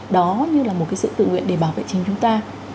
đó như là một cái sự tự nguyện để bảo vệ chính chúng ta